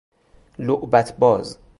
لعبت باز